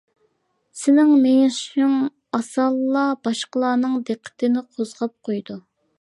سېنىڭ مېڭىشىڭ ئاسانلا باشقىلارنىڭ دىققىتىنى قوزغاپ قويىدۇ.